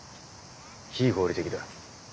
非合理的だ。